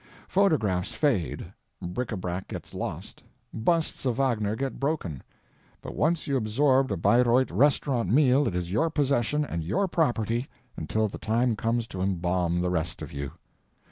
Photographs fade, bric a brac gets lost, busts of Wagner get broken, but once you absorb a Bayreuth restaurant meal it is your possession and your property until the time comes to embalm the rest of you.